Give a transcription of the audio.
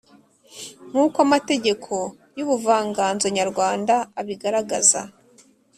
nk’uko amateka y’ubuvanganzo nyarwanda abigaragaza,